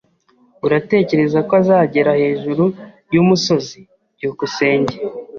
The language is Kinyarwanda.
Uratekereza ko azagera hejuru yumusozi? byukusenge